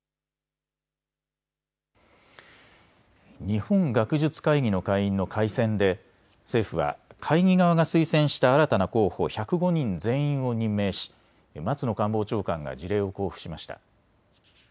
日本学術会議の会員の改選で政府は会議側が推薦した新たな候補１０５人全員を任命し松野官房長官が辞令を交付しました。